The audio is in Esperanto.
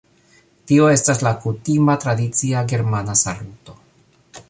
Tio estas la kutima tradicia germana saluto